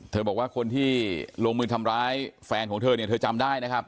บอกว่าคนที่ลงมือทำร้ายแฟนของเธอเนี่ยเธอจำได้นะครับ